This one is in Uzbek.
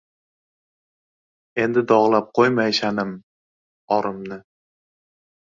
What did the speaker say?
Endi dog‘lab qo‘ymay sha’nim, orimni